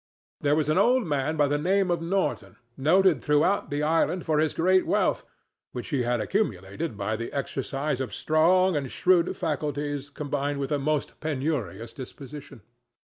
There was an old man by the name of Norton, noted throughout the island for his great wealth, which he had accumulated by the exercise of strong and shrewd faculties combined with a most penurious disposition.